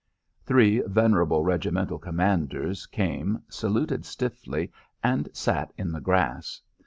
Three venerable regimental commanders came, saluted stiffly and sat in the grass.